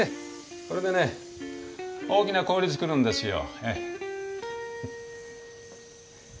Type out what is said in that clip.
これでね大きな氷作るんですよ。